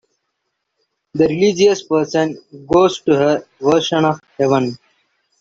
The religious person goes to her version of heaven.